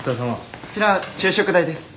こちら昼食代です。